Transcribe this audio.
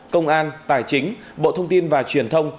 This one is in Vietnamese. công an tài chính bộ thông tin và truyền thông